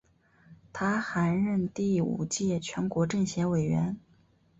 他还任第五届全国政协委员。